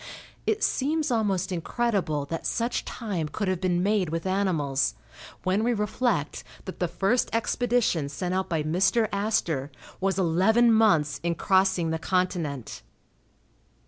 It seems almost incredible that such time could have been made with animals, when we reflect that the first expedition sent out by Mr. Astor, was eleven months in crossing the continent.